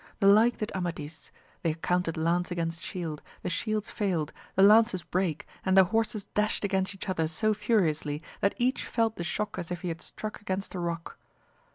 The like did Amadis ; they encountered lance against shield, the shields failed, the lances brake, and their horses dashed against each other so furiously that each felt the shock as if he had struck against a rock.